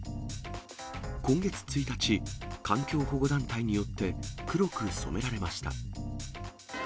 今月１日、環境保護団体によって黒く染められました。